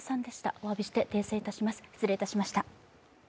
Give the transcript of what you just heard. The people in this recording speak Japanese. おわびして訂正いたします。